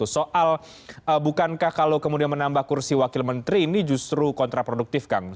soal bukankah kalau kemudian menambah kursi wakil menteri ini justru kontraproduktif kang